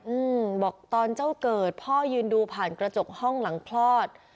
อืมบอกตอนเจ้าเกิดพ่อยืนดูผ่านกระจกห้องหลังคลอด